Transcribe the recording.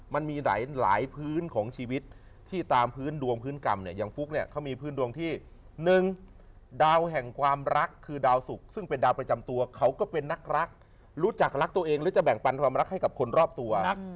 มันมีหลายพื้นของชีวิตที่ตามพื้นดวงพื้นกรรมเนี่ยอย่างฟุ๊กเนี่ยเขามีพื้นดวงที่๑ดาวแห่งความรักคือดาวสุกซึ่งเป็นดาวประจำตัวเขาก็เป็นนักรักรู้จักรักตัวเองหรือจะแบ่งปันความรักให้กับคนรอบตัว